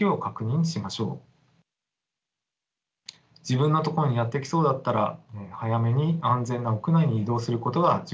自分のところにやって来そうだったら早めに安全な屋内に移動することが重要です。